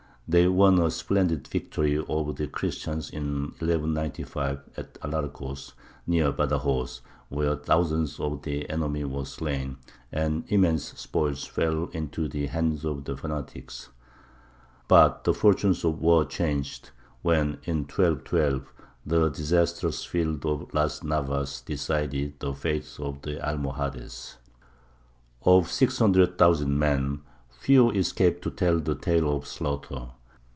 They won a splendid victory over the Christians in 1195 at Alarcos, near Badajoz, where thousands of the enemy were slain, and immense spoils fell into the hands of the fanatics. But the fortune of war changed when, in 1212, the disastrous field of Las Navas decided the fate of the Almohades. Of 600,000 men, few escaped to tell the tale of slaughter.